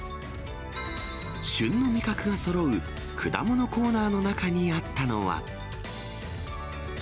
旬の味覚がそろう果物コーナーの中にあったのは。